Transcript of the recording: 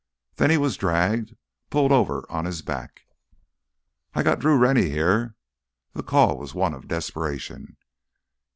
Then he was dragged, pulled over on his back. "I got Drew Rennie here." The call was one of desperation.